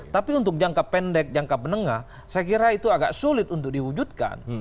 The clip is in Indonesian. tapi untuk jangka pendek jangka menengah saya kira itu agak sulit untuk diwujudkan